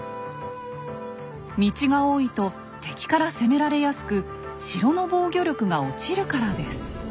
道が多いと敵から攻められやすく城の防御力が落ちるからです。